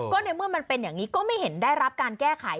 ก็ในเมื่อมันเป็นอย่างนี้ก็ไม่เห็นได้รับการแก้ไข